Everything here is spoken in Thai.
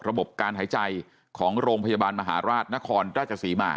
ระบบการหายใจของโรงพยาบาลมหาราชนครราชศรีมา